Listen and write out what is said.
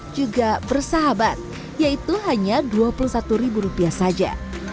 juga bersahabat yaitu hanya rp dua puluh satu saja